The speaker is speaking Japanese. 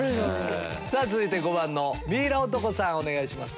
さぁ続いて５番のミイラ男さんお願いします。